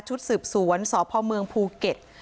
ชุดสืบสวนสพเมืองภูเก็ต